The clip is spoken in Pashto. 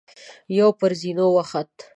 يوه پر زينو وخته.